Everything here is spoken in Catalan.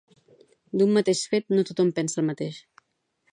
D'un mateix fet no tothom pensa el mateix